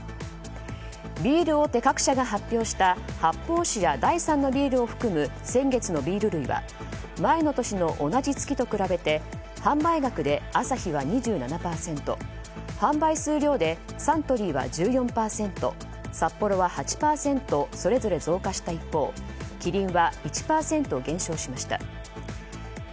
ビール大手各社が発表した発泡酒や第３のビールを含む先月のビール類は前の年の同じ月と比べて販売額でアサヒは２７％販売数量でサントリーは１４％サッポロは８％それぞれ増加した一方キリンは１％減少しました。